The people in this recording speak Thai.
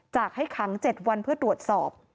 ให้ขัง๗วันเพื่อตรวจสอบ